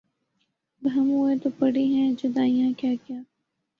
بہم ہوئے تو پڑی ہیں جدائیاں کیا کیا